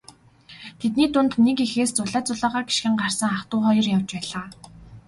Тэдний дунд нэг эхээс зулай зулайгаа гишгэн гарсан ах дүү хоёр явж байлаа.